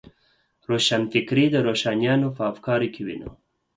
روښانفکري د روښانیانو په افکارو کې وینو.